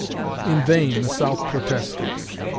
In vain the South protested.